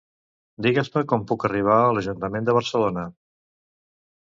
Digues-me com puc arribar a l'Ajuntament de Barcelona.